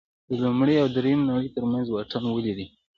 د لومړۍ او درېیمې نړۍ ترمنځ واټن ولې دی.